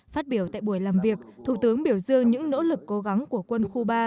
phát biểu tại buổi làm việc thủ tướng biểu dương những nỗ lực cố gắng của quân khu ba